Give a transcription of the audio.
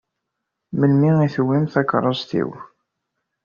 Melmi i tewwimt takeṛṛust-iw?